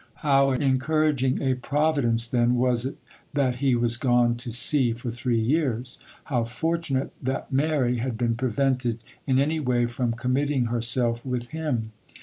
How encouraging a Providence, then, was it that he was gone to sea for three years!—how fortunate that Mary had been prevented in any way from committing herself with him!